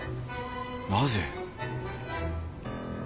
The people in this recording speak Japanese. なぜ？